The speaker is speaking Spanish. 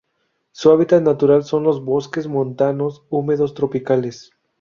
Su hábitat natural son los bosques montanos húmedos tropicales.